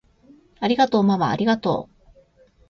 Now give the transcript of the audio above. ありがとうままありがとう！